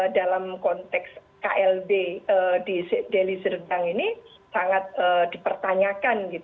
dalam konteks klb di delhi sirdang ini sangat dipertanyakan